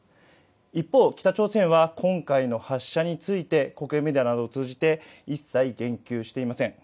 一方、北朝鮮は今回の発射について、国営メディアなどを通じて一切言及していません。